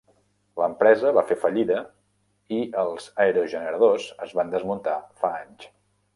L'empresa va fer fallida i els aerogeneradors es van desmuntar fa anys.